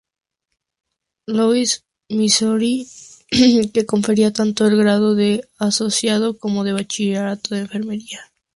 Louis, Missouri, que confería tanto el grado de asociado como de bachillerato en enfermería.